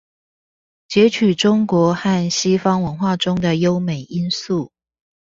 擷取中國和西方文化中的優美因素